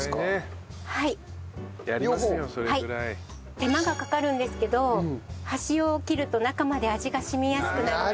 手間がかかるんですけど端を切ると中まで味が染みやすくなるので。